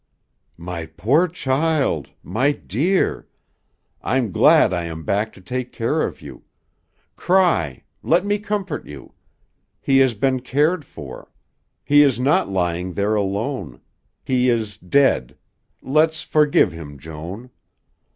"My poor child! My dear! I'm glad I am back to take care of you! Cry. Let me comfort you. He has been cared for. He is not lying there alone. He is dead. Let's forgive him, Joan."